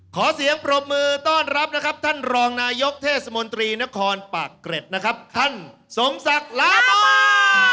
ขอเสียงปรบมือต้อนรับนะครับท่านรองนายกเทศมนตรีนครปากเกร็ดนะครับท่านสมศักดิ์ลามา